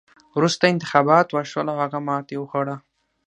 وروسته انتخابات وشول او هغه ماتې وخوړه.